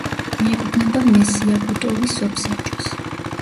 მიეკუთვნება მესიაგუტოვის სოფსაბჭოს.